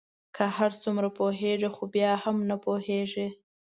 که هر څومره پوهیږی خو بیا هم نه پوهیږې